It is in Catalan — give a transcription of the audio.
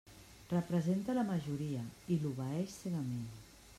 Representa la majoria i l'obeeix cegament.